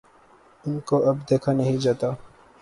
ان کو اب دیکھا نہیں جاتا۔